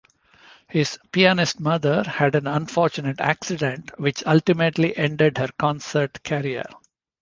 His pianist mother had an unfortunate accident which ultimately ended her concert career.